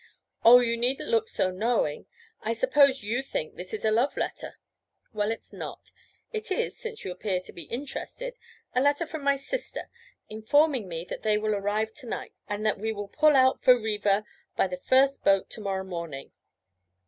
'Oh, you needn't look so knowing! I suppose you think this is a love letter? Well it's not. It is, since you appear to be interested, a letter from my sister informing me that they will arrive to night, and that we will pull out for Riva by the first boat to morrow morning.